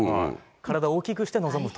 体を大きくして臨むと。